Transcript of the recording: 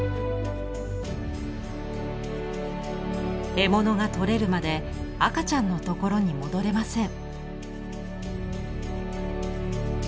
獲物が捕れるまで赤ちゃんのところに戻れません。